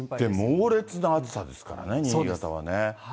猛烈な暑さですからね、新潟はね。